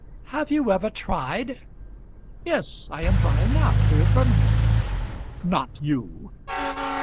"Have you ever tried?" "Yes; I am trying now, here at Birmingham." "Not you."